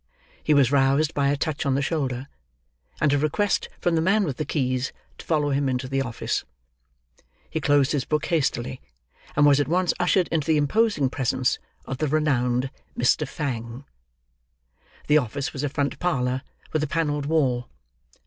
He was roused by a touch on the shoulder, and a request from the man with the keys to follow him into the office. He closed his book hastily; and was at once ushered into the imposing presence of the renowned Mr. Fang. The office was a front parlour, with a panelled wall.